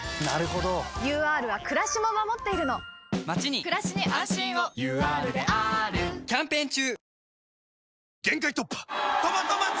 ＵＲはくらしも守っているのまちにくらしに安心をＵＲであーるキャンペーン中！